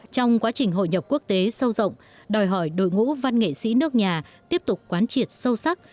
trong quá trình hội nhập quốc tế sâu rộng đòi hỏi đội ngũ văn nghệ sĩ nước nhà tiếp tục quán triệt sâu sắc